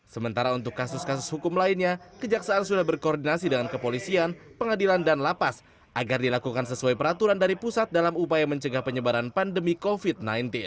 sementara untuk kasus kasus hukum lainnya kejaksaan sudah berkoordinasi dengan kepolisian pengadilan dan lapas agar dilakukan sesuai peraturan dari pusat dalam upaya mencegah penyebaran pandemi covid sembilan belas